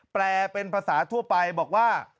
แปลเป็นภาษาทั่วไปบอกว่า